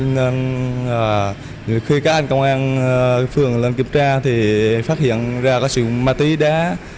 nên khi các anh công an phường lên kiểm tra thì phát hiện ra có sự ma túy đá